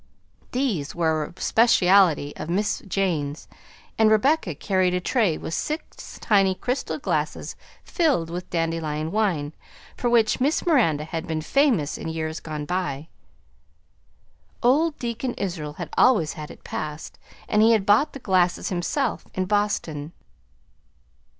These were a specialty of Miss Jane's, and Rebecca carried a tray with six tiny crystal glasses filled with dandelion wine, for which Miss Miranda had been famous in years gone by. Old Deacon Israel had always had it passed, and he had bought the glasses himself in Boston.